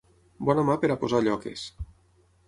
Bona mà per a posar lloques.